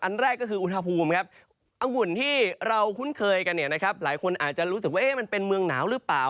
อันแรกก็คืออุณหภูมิครับอังุ่นที่เราคุ้นเคยกันเนี่ยนะครับหลายคนอาจจะรู้สึกว่ามันเป็นเมืองหนาวหรือเปล่า